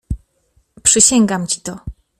"Przysięgam ci to."